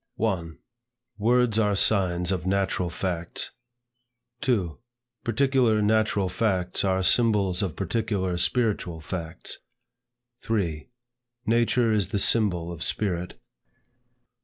1. Words are signs of natural facts. 2. Particular natural facts are symbols of particular spiritual facts. 3. Nature is the symbol of spirit.